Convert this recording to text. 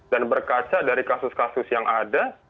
dan berkaca dari kasus kasus yang ada